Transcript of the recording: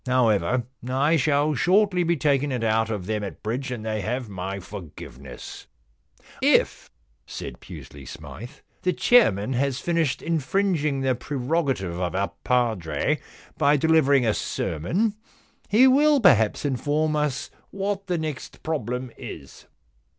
However, I shall shortly be taking it out of them at bridge, and they have my forgiveness.* * If,* said Pusely Smythe, * the chairman has finished infringing the prerogative of our padre by delivering a sermon, he will perhaps inform us what the next problem is.'